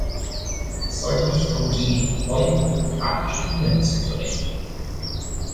Es sollte nicht darum gehen, neue bürokratische Hindernisse zu errichten.